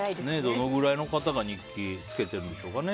どのくらいの方が日記つけてるんですかね。